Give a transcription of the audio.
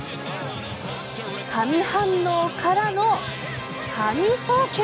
神反応からの神送球。